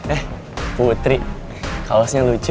eh putri kalosnya lucu